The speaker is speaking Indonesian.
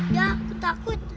ya aku takut